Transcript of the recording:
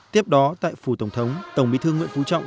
tiếp đó tại phủ tổng thống tổng bí thư nguyễn phú trọng